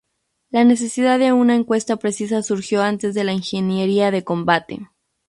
La necesidad de una encuesta precisa surgió antes de la ingeniería de combate.